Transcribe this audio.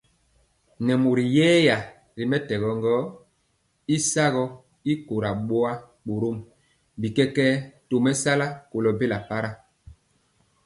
Nɛ mori yɛya ri mɛtɛgɔ y sagɔ y kora boa, borom bi kɛkɛɛ tomesala kolo bela para.